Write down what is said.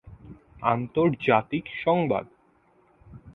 আন্তর্জাতিক সংবাদ।